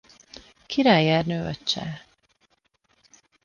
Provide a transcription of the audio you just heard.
Király Ernő öccse.